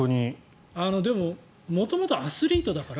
でも、元々アスリートだから。